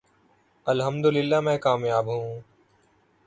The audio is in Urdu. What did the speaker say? الحمدللہ میں کامیاب ہوں۔